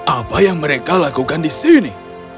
apa yang mereka lakukan di sini